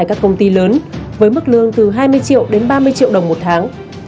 các công ty lớn với mức lương từ hai mươi triệu đến ba mươi triệu đồng một tháng